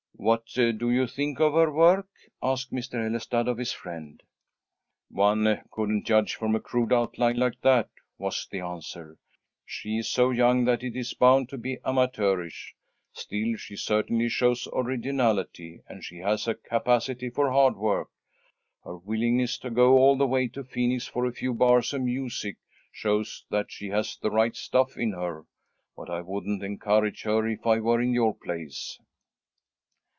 "What do you think of her work?" asked Mr. Ellestad of his friend. "One couldn't judge from a crude outline like that," was the answer. "She's so young that it is bound to be amateurish. Still she certainly shows originality, and she has a capacity for hard work. Her willingness to go all the way to Phoenix for a few bars of music shows that she has the right stuff in her. But I wouldn't encourage her if I were in your place."